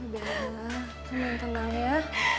bella tenang tenang ya